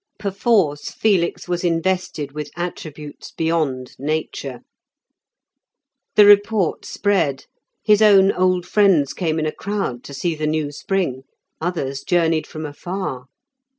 Perforce Felix was invested with attributes beyond nature. The report spread; his own old friends came in a crowd to see the new spring, others journeyed from afar.